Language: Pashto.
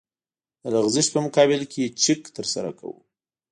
د لغزش په مقابل کې چک ترسره کوو